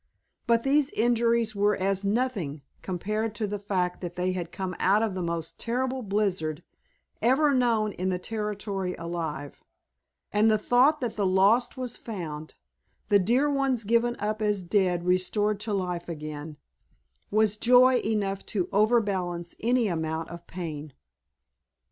But these injuries were as nothing compared to the fact that they had come out of the most terrible blizzard ever known in the territory alive, and the thought that the lost was found, the dear ones given up as dead restored to life again, was joy enough to overbalance any amount of pain.